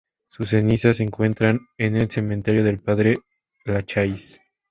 Sus cenizas se encuentran en el cementerio del Padre-Lachaise.